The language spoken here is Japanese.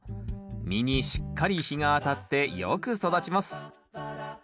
実にしっかり日が当たってよく育ちます。